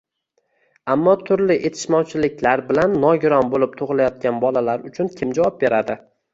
Ammo turli etishmovchiliklar bilan, nogiron bo`lib tug`ilayotgan bolalar uchun kim javob beradi